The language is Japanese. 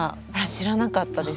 知らなかったです。